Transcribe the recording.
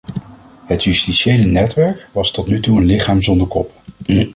Het justitiële netwerk was tot nu toe een lichaam zonder kop.